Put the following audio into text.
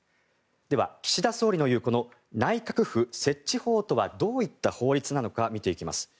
では岸田総理のいう内閣府設置法とはどういった法律なのか見ていきます。